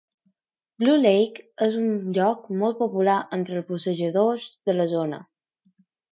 Blue Lake és un lloc molt popular entre els bussejadors de la zona.